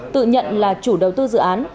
tự nhận là chủ đầu tư dự án